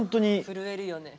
震えるよね。